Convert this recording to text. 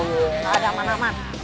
tunggu nggak ada aman aman